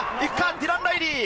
ディラン・ライリー！